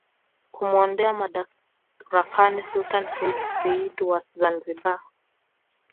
kumuondoa madarakani Sultani seyyid said wa Zanzibar